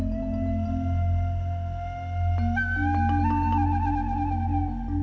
โปรดติดตามตอนต่อไป